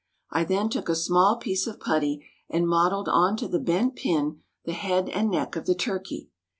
I then took a small piece of putty, and modelled on to the bent pin the head and neck of the turkey.